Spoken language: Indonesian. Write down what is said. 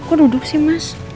kok duduk sih mas